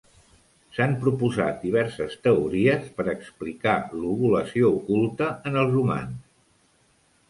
S'han proposat diverses teories per explicar l'ovulació oculta en els humans.